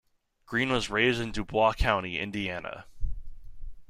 Greene was raised in Dubois County, Indiana.